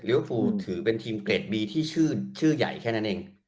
ฟูถือเป็นทีมเกรดบีที่ชื่อใหญ่แค่นั้นเอง